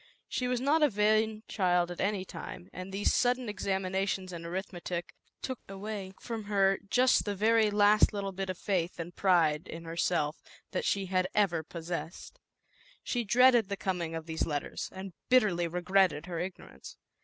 y She was not a vain child at any time, and these sudden examinations in arith metic took away from her just the very last little bit of faith and pride in herself that she had ever possessed. She dreaded the coming of these let ters, and bitterly regretted her ignorance.